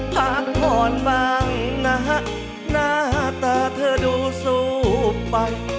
พักผ่อนบ้างนะฮะหน้าตาเธอดูสู้ไป